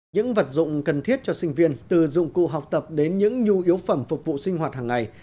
những vật dụng cần thiết cho sinh viên từ dụng cụ học tập đến những nhu yếu phẩm phục vụ sinh hoạt hàng ngày